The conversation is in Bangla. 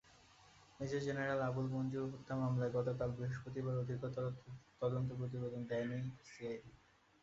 মেজর জেনারেল আবুল মঞ্জুর হত্যা মামলায় গতকাল বৃহস্পতিবার অধিকতর তদন্ত প্রতিবেদন দেয়নি সিআইডি।